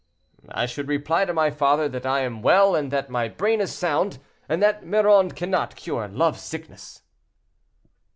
"I should reply to my father that I am well and that my brain is sound, and that Miron cannot cure love sickness."